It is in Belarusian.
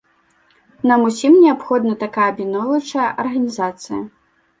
Нам усім неабходна такая аб'ядноўваючая арганізацыя.